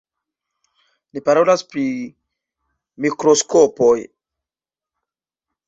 Ni parolas pri mikroskopoj.